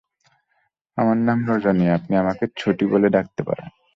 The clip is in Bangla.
আমার নাম রাজনি, আপনি আমাকে ছোটি বলে ডাকতে পারেন।